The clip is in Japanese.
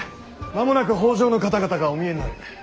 間もなく北条の方々がお見えになる。